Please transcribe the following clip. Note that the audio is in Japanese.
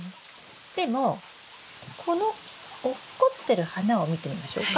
でもこの落っこってる花を見てみましょうか。